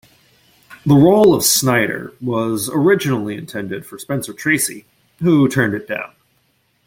The role of Snyder was originally intended for Spencer Tracy, who turned in down.